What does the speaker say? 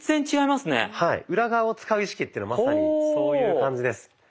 裏側を使う意識ってまさにそういう感じです。